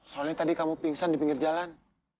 soalnya tadi kamu pingsan di pinggir jalan